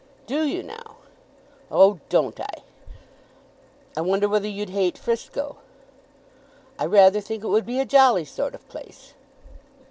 "Do you now?" "Oh, don't I?" "I wonder whether you'd hate Frisco?" "I rather think it would be a jolly sort of place."